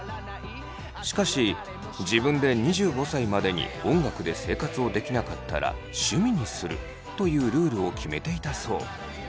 しかし自分で２５歳までに音楽で生活をできなかったら趣味にするというルールを決めていたそう。